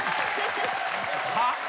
はっ？